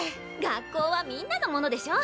学校はみんなのものでしょ。